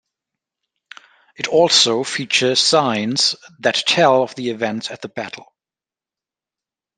It also features signs that tell of the events at the battle.